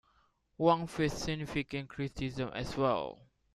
Huang faced significant criticism as well.